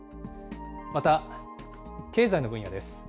また、経済の分野です。